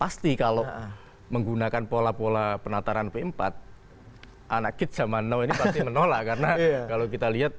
pasti kalau menggunakan pola pola penataran p empat anak kit zaman now ini pasti menolak karena kalau kita lihat